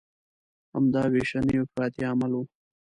همدا ویشنې او افراطي عمل و.